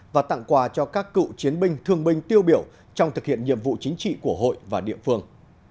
và tặng quà cho các cựu chiến binh thương binh tiêu biểu trong thực hiện nhiệm vụ chính trị của hội và địa phương